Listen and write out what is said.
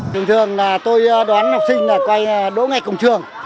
thường thường là tôi đoán học sinh là quay đỗ ngay cổng trường